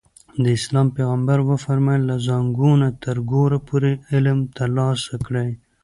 د اسلام پیغمبر وفرمایل له زانګو نه تر ګوره پورې علم ترلاسه کړئ.